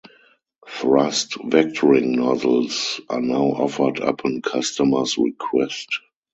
Thrust vectoring nozzles are now offered upon customer's request.